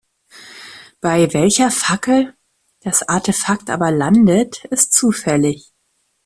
Bei welcher Fackel das Artefakt aber landet, ist zufällig.